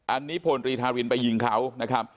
อันนี้พลตรีธารินไปยิงเขานะครับ